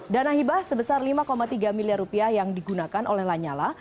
dana hibah sebesar lima tiga miliar rupiah yang digunakan oleh lanyala